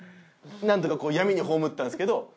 なんとかこう闇に葬ったんですけど。